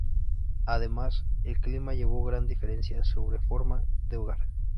Además, el clima llevó gran diferencia sobre forma de hogar.